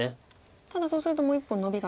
ただそうするともう１本ノビが利いたり。